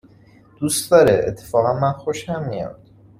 دوست داره، اتفاقاً من خوشم میاد